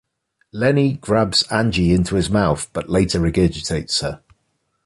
Lenny grabs Angie into his mouth, but later regurgitates her.